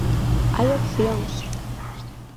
Hai Opcións!